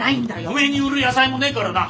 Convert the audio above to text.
おめえに売る野菜もないからな！